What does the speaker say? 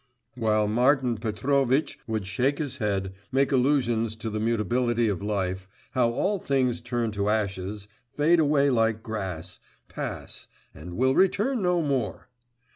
While Martin Petrovitch would shake his head, make allusions to the mutability of life, how all things turn to ashes, fade away like grass, pass and will return no more!